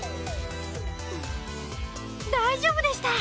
大丈夫でした！